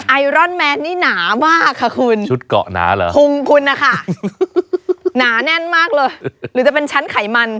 ไอรอนแมนนี่หนามากค่ะคุณชุดเกาะหนาเหรอพุงคุณนะคะหนาแน่นมากเลยหรือจะเป็นชั้นไขมัน